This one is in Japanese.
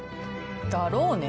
「だろうね」